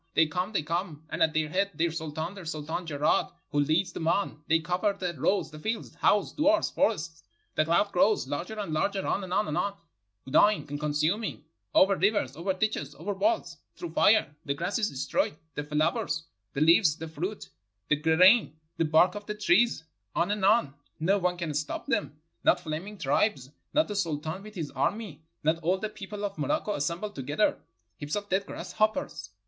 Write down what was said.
They come, they come, and at their head their sultan, the Sultan Jeraad, who leads them on; they cover the roads, the fields, houses, duars, forests. The cloud grows ; larger and larger, on, on, on, gnawing and consuming; over rivers, over ditches, over walls, through fire; the grass is destroyed, the flowers, the leaves, the fruit, the grain, the bark of the trees; on and on, no one can stop them, not flaming tribes, not the Sultan with his army, not all the people of Morocco assembled together. Heaps of dead grasshoppers.